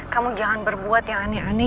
kamu jangan berbuat yang aneh aneh